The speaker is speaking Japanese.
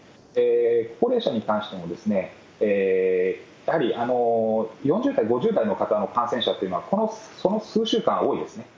高齢者に関しても、やはり４０代、５０代の方の感染者というのは、この数週間多いですね。